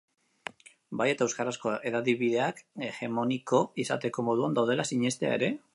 Bai eta euskarazko hedabideak hegemoniko izateko moduan daudela sinestea ere?